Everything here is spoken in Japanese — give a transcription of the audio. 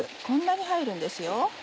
こんなに入るんですよ。